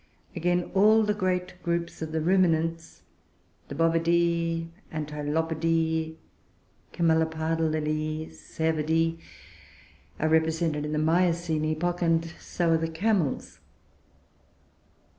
Again, all the great groups of the Ruminants, the Bovidoe, Antilopidoe, Camelopardalidoe, and Cervidoe, are represented in the Miocene epoch, and so are the Camels.